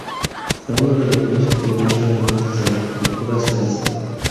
Fue uno de los músicos más relevantes de la cultura zarista.